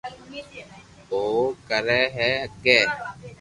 او ڪري ڪري ھگي